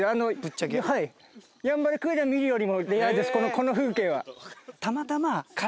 この風景は。